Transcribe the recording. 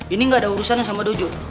ini gak ada urusan sama dojo